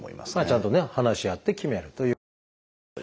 ちゃんとね話し合って決めるということでしょうか。